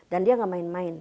dan dia gak main main